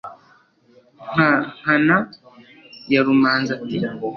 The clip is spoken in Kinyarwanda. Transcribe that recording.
-nka nkana ya rumanzi ati